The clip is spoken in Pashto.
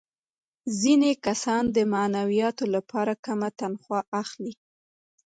ځینې کسان د معنویاتو لپاره کمه تنخوا اخلي